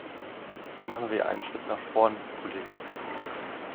Machen wir einen Schritt nach vorn, Kollegen!